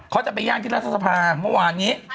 เขาจะไปย่างที่รัฐสภาเมื่อวานนี้